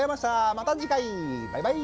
また次回バイバイ。